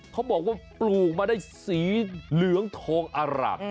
เค้าบอกว่าปลูกมาได้สีเหลืองโทงอร่ำ